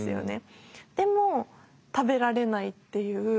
でも食べられないっていう。